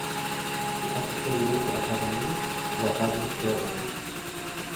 Der erste Präsident der Akademie war Douglas Fairbanks.